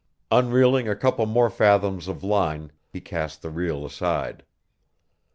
Unreeling a couple more fathoms of line, he cast the reel aside.